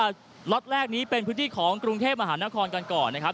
ล็อตแรกนี้เป็นพื้นที่ของกรุงเทพมหานครกันก่อนนะครับ